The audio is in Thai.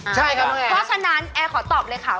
ใช่ครับครับแมนเพราะฉะนั้นแอ๊กอตตอบเลยค่ะ